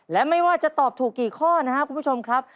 และไม่ว่าจะตอบถูกกี่ข้อนะครับคุณผู้ชมครับ